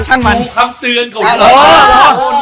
จริงกลับผมสิ้นตัวตลอดไป